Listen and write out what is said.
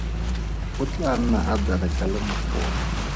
O tlaa nna a bereka le mogolo.